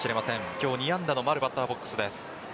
今日２安打の丸バッターボックスです。